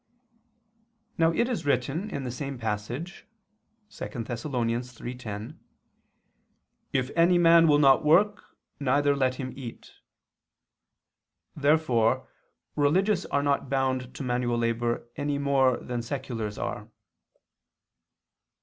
Now it is written in the same passage (2 Thess. 3:10): "If any man will not work, neither let him eat." Therefore religious are not bound to manual labor any more than seculars are.